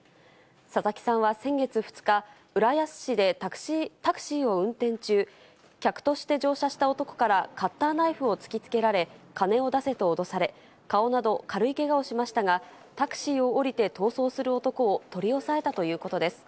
佐々木さんは先月２日、浦安市でタクシーを運転中、客として乗車した男からカッターナイフを突きつけられ、金を出せと脅され、顔など、軽いけがをしましたが、タクシーを降りて逃走する男を取り押さえたということです。